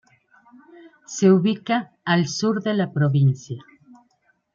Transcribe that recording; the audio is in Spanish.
Se ubica al sur de la provincia.